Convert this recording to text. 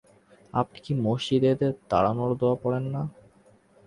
আপনি কি মসজিদে এদের তাড়ানোর দোয়া পড়েন না?